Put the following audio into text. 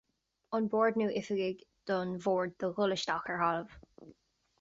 An Bord nó oifigigh don Bhord do dhul isteach ar thalamh.